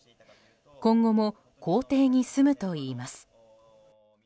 今後も公邸に住むといいます。